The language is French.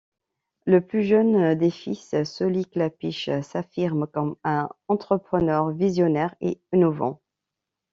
Le plus jeune des fils, Solly Klapisch, s'affirme comme un entrepreneur visionnaire et innovant.